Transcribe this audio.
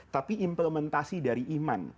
tapi implementasi dari iman